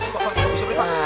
pak maaf pak maaf pak